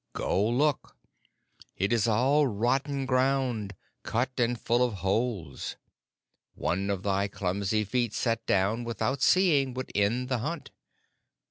"Go look. It is all rotten ground, cut and full of holes. One of thy clumsy feet set down without seeing would end the hunt.